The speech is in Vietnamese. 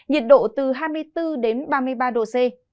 nhiệt độ từ hai mươi bốn đến ba mươi ba độ c